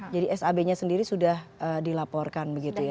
jadi sab nya sendiri sudah dilaporkan begitu ya